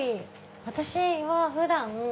私は普段。